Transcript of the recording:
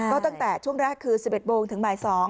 ก็ตั้งแต่ช่วงแรกคือ๑๑โมงถึงบ่าย๒